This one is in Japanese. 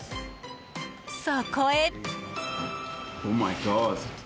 そこへ。